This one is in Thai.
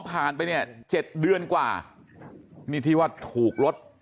ไปเนี่ย๗เดือนกว่านี่ที่ว่าถูกรถ